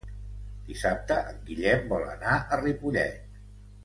Dissabte en Guillem vol anar a Ripollet.